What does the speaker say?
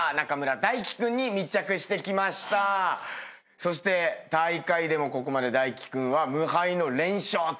そして大会でもここまで泰輝君は無敗の連勝ということで。